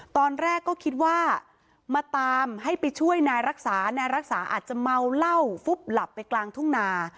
ตอนแรกก็คิดว่ามาตามให้ไปช่วยนายรักษานายรักษาอาจจะเมาเหล้าฟุบหลับไปกลางทุ่งนา